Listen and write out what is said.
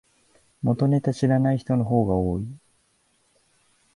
元ネタ知らない人の方が多い